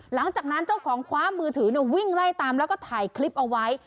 หลังจากนั้นเจ้าของคว้ามือถือวิ่งไล่ตามแล้วก็ถ่ายคลิปเอาไว้